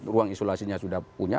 ruang isolasinya sudah punya